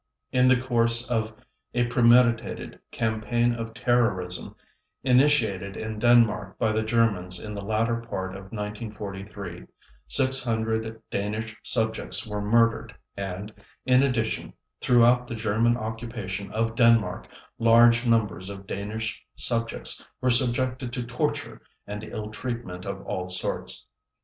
In the course of a premeditated campaign of terrorism, initiated in Denmark by the Germans in the latter part of 1943, 600 Danish subjects were murdered and, in addition, throughout the German occupation of Denmark, large numbers of Danish subjects were subjected to torture and ill treatment of all sorts.